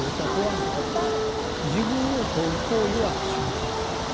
自分を問う行為は「宗教」である。